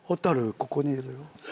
ここにいるよ。